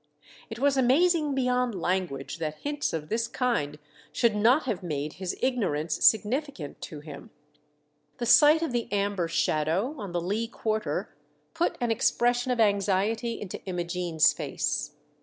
It was amazing beyond language that 350 THE DEATH SHIP. hints of this kind should not have made his ignorance significant to him. The sight of the amber shadow on the lee quarter put an expression of anxiety into Imogene's face.